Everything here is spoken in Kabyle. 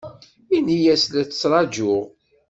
Ini-as la tt-ttṛajuɣ.